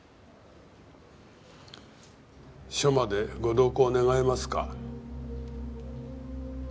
署までご同行願えますか？